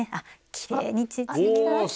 きれいに縮みました。